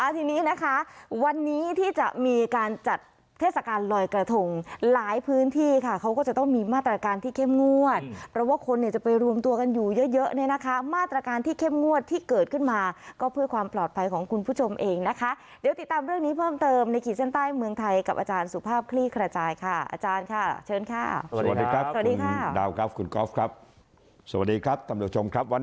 ทีนี้นะคะวันนี้ที่จะมีการจัดเทศกาลลอยกระทงหลายพื้นที่ค่ะเขาก็จะต้องมีมาตรการที่เข้มงวดเพราะว่าคนเนี่ยจะไปรวมตัวกันอยู่เยอะเยอะเนี่ยนะคะมาตรการที่เข้มงวดที่เกิดขึ้นมาก็เพื่อความปลอดภัยของคุณผู้ชมเองนะคะเดี๋ยวติดตามเรื่องนี้เพิ่มเติมในขีดเส้นใต้เมืองไทยกับอาจารย์สุภาพคลี่ขระจายค่ะอาจ